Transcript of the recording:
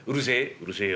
「うるせえよ。